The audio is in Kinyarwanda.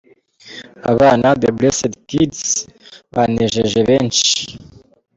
Abana The Blessed Kids banejeje benshi.